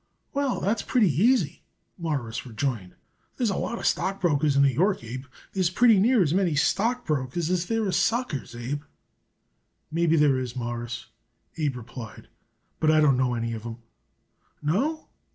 "Well, that's pretty easy," Morris rejoined. "There's lots of stock brokers in New York, Abe. There's pretty near as many stock brokers as there is suckers, Abe." "Maybe there is, Mawruss," Abe replied, "but I don't know any of them." "No?"